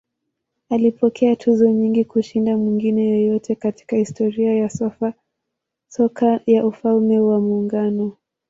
Alipokea tuzo nyingi kushinda mwingine yeyote katika historia ya soka ya Ufalme wa Muungano.